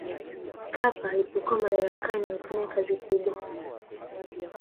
mkapa alipokuwa madarakani alifanya kazi kubwa